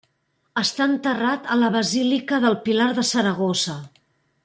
Està enterrat a la Basílica del Pilar de Saragossa.